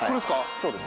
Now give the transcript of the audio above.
そうです。